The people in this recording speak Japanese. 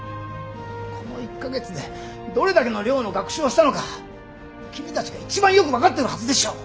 この１か月でどれだけの量の学習をしたのか君たちが一番よく分かってるはずでしょう。